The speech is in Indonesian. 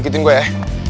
ikutin gua ya